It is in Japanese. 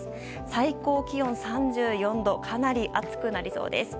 最高気温３４度、かなり暑くなりそうです。